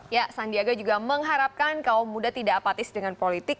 ya sandiaga juga mengharapkan kaum muda tidak apatis dengan politik